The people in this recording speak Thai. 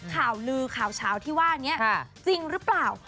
ข่าวลือข่าวเช้าที่ว่านี้จริงหรือเปล่า